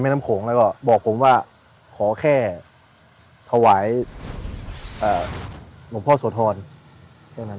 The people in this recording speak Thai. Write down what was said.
น้ำโขงแล้วก็บอกผมว่าขอแค่ถวายหลวงพ่อโสธรแค่นั้น